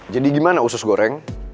jadi gimana usus goreng